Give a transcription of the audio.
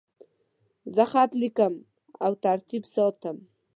زه خط لیکم او ترتیب ساتم.